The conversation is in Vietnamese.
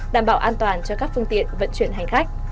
đảm bảo an toàn cho các phương tiện vận chuyển hành khách